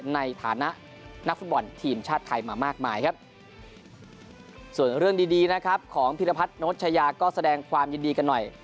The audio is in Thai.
ในฐานะนักฟุตบอลทีมชาติไทยมามากมายครับส่วนเรื่องดีดีนะครับของพิรพัฒนชายาก็แสดงความยินดีกันหน่อย